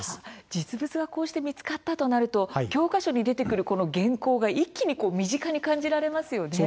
実物がこうして見つかったとなると教科書に出てくる元寇が一気に身近に感じられますよね。